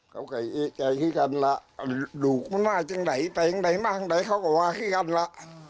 เขากะไอ้ใจคุ้กันหล่ะดุไม่มายจึงไหนแตงใดมาหั่งใดเขากะวะคุกันหล่ะ